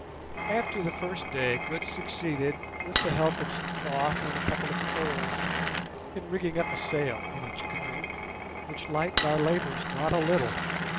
After the first day Good succeeded, with the help of some cloth and a couple of poles, in rigging up a sail in each canoe, which lightened our labours not a little.